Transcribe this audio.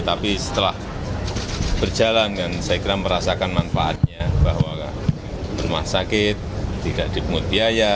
tapi setelah berjalan kan saya kira merasakan manfaatnya bahwa rumah sakit tidak dipungut biaya